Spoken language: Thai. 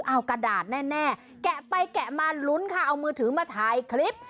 เอากระดาษแน่แกะไปแกะมาลุ้นค่ะเอามือถือมาถ่ายคลิป